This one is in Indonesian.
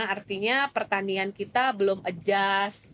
artinya pertandingan kita belum adjust